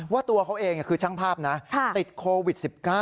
ว่าตัวเขาเองคือช่างภาพนะติดโควิด๑๙